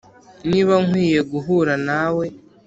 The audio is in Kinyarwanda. niba nkwiye guhura nawe